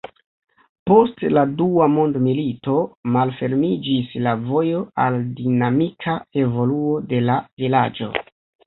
Post la dua mondmilito malfermiĝis la vojo al dinamika evoluo de la vilaĝo.